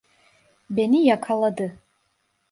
Beni yakaladı!